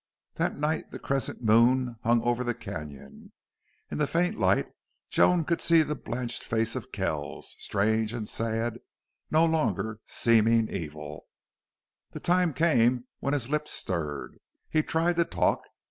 That night the crescent moon hung over the canon. In the faint light Joan could see the blanched face of Kells, strange and sad, no longer seeming evil. The time came when his lips stirred. He tried to talk.